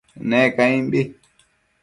Ne caimbi